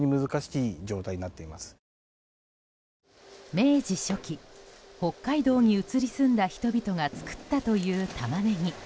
明治初期、北海道に移り住んだ人々が作ったというタマネギ。